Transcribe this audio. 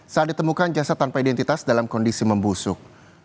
saat ditemukan jasad tanpa identitas dalam kondisi membusuk